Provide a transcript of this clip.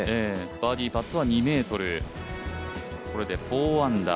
バーディーパットは２ｍ、これで４アンダー。